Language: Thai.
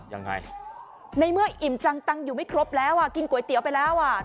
ยังไงในเมื่ออิ่มจังตังอยู่ไม่ครบแล้วอ่ะกินก๋วยเตี๋ยวไปแล้วอ่ะ